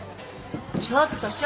ちょっと翔。